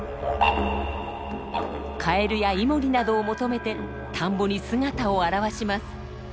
カエルやイモリなどを求めて田んぼに姿を現します。